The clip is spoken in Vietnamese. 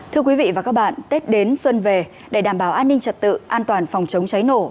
thưa quý vị và các bạn tết đến xuân về để đảm bảo an ninh trật tự an toàn phòng chống cháy nổ